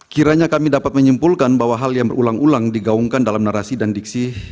kiranya kami dapat menyimpulkan bahwa hal yang berulang ulang digaungkan dalam narasi dan diksi